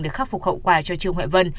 để khắc phục hậu quả cho trương huệ vân